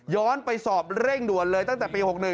ไปสอบเร่งด่วนเลยตั้งแต่ปี๖๑